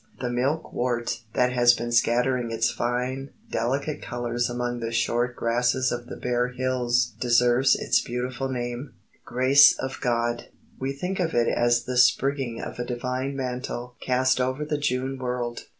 The milkwort that has been scattering its fine, delicate colours among the short grasses of the bare hills deserves its beautiful name, "grace of God." We think of it as the sprigging of a divine mantle cast over the June world.